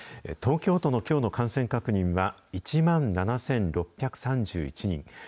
東京都のきょうの感染確認は１万７６３１人。